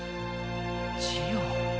ジオ。